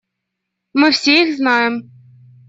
Мы все их знаем.